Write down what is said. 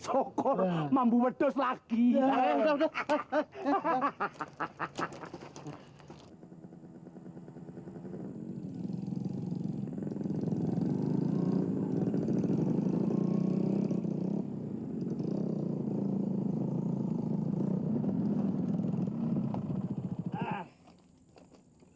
mambu bedos lagi